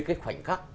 cái khoảnh khắc